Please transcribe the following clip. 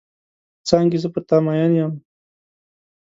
څانګې زه پر تا مئن یم.